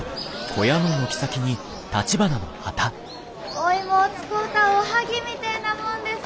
お芋を使うたおはぎみてえなもんです。